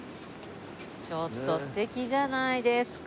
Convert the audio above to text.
ちょっと素敵じゃないですか。